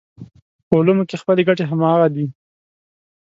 په علومو کې خپلې ګټې همغه دي.